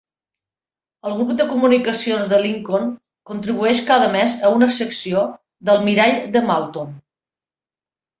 El Grup de comunicacions de Lincoln contribueix cada mes a una secció de "El mirall de Malton".